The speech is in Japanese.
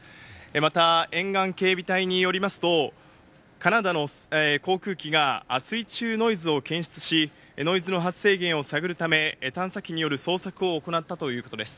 また沿岸警備隊によりますと、カナダの航空機が水中ノイズを検出し、ノイズの発生源を探るため、探査機による捜索を行ったということです。